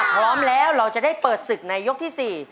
พร้อมแล้วเราจะได้เปิดศึกในยกที่๔